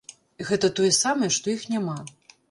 Гэта тое самае, што іх няма.